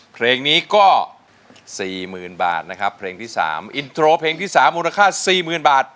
เพลงนี้ก็สี่หมื่นบาทนะครับเพลงที่สามอินโทรเพลงที่สามมูลค่าสี่หมื่นบาท